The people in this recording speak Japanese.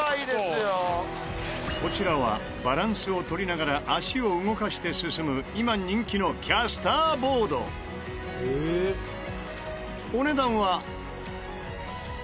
こちらはバランスを取りながら足を動かして進む今人気のお値段は。